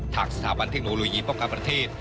ทางสถาบันเทคโนโลยีป้องกันประเทศ